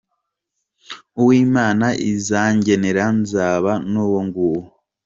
So, uw’Imana izangenera nzaba n’uwo nguwo.